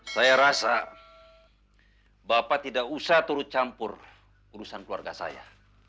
saya rasa bapak tidak usah turut campur urusan keluarga saya